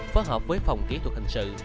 phó hợp với phòng kỹ thuật hành sự